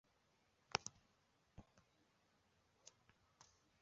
凯末尔主义相信只有共和体制才可以代表人民的希望。